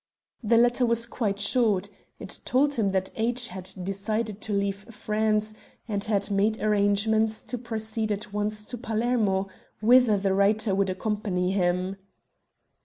"The letter was quite short. It told him that H. had decided to leave France, and had made arrangements to proceed at once to Palermo, whither the writer would accompany him.